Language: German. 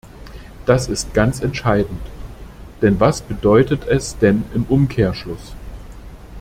Das ist ganz entscheidend, denn was bedeutet es denn im Umkehrschluss?